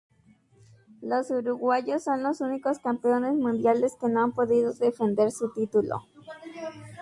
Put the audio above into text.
Los uruguayos son los únicos campeones mundiales que no han podido defender su título.